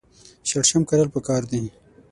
شړشم کرل پکار دي.